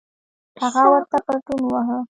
هغه ورته پتون وواهه.